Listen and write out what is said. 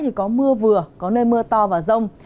thì có mưa vừa có nơi mưa to và rông